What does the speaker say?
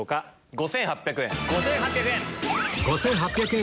５８００円。